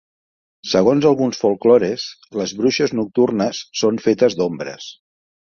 Segons alguns folklores, les bruixes nocturnes són fetes d'ombres.